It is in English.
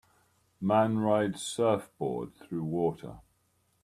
Man rides surfboard through water.